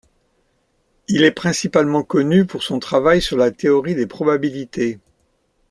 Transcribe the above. Il est principalement connu pour son travail sur la théorie des probabilités.